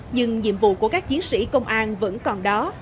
nhưng nhiệm vụ của các chiến sĩ công an vẫn còn đó